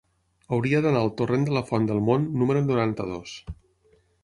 Hauria d'anar al torrent de la Font del Mont número noranta-dos.